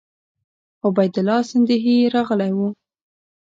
عبیدالله سیندهی راغلی وو.